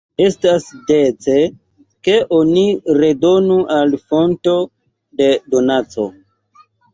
Ankaŭ, estas dece, ke oni redonu al fonto de donaco.